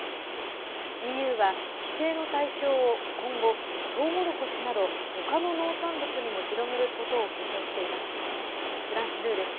ＥＵは規制の対象を今後とうもろこしなど他の農産物にも広げることを検討しています。